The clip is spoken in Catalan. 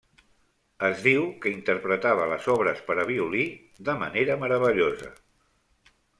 Es diu que interpretava les obres per a violí de manera meravellosa.